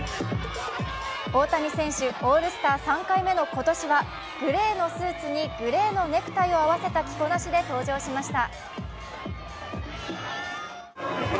大谷選手、オールスター３回目の今年はグレーのスーツにグレーのネクタイをあわせた着こなしで登場しました。